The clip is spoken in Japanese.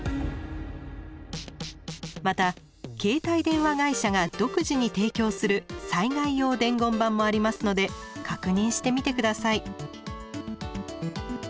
また携帯電話会社が独自に提供する災害用伝言板もありますので確認してみて下さい。